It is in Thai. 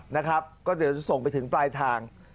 นะครับก็เดี๋ยวจะส่งไปถึงปลายทาง